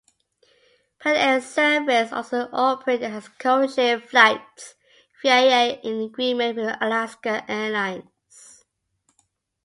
PenAir's service also operate as code sharing flights via an agreement with Alaska Airlines.